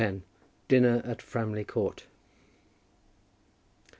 DINNER AT FRAMLEY COURT.